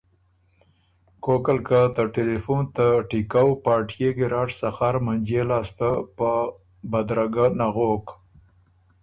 کوک ال که ته ټیلیفون ته ټهیکؤ پارټيې ګیرډ سخر منجئے لاسته په بدرګۀ نغوک